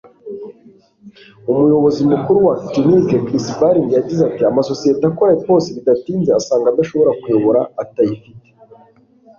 Umuyobozi mukuru wa Actinic, Chris Barling yagize ati: "Amasosiyete akora epos bidatinze asanga adashobora kuyobora atayifite.